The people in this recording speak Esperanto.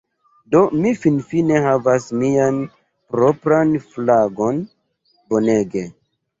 Do, mi finfine havas mian propran flagon! Bonege!